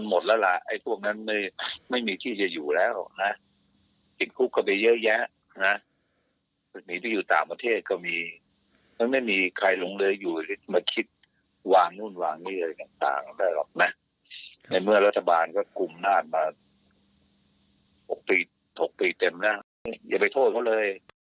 หกปีเต็มน่ะอย่าไปโทษกันเลย